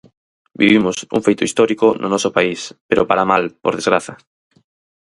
Vivimos un feito histórico no noso país pero para mal, por desgraza.